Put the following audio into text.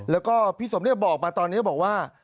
แล้วก็พี่สมบอกมาตอนนี้บอกว่า